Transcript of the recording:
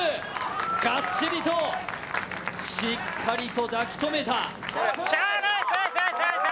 がっちりとしっかりと抱きとめた。